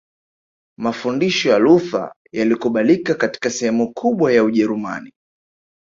Mafundisho ya Luther yalikubalika katika sehemu kubwa ya Ujerumani